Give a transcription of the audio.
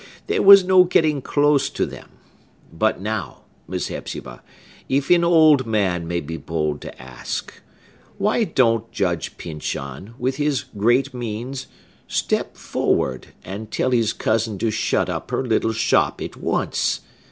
There was no getting close to them. But Now, Miss Hepzibah, if an old man may be bold to ask, why don't Judge Pyncheon, with his great means, step forward, and tell his cousin to shut up her little shop at once?